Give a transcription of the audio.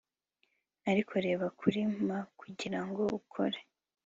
ariko reba kuri ma kugirango ukore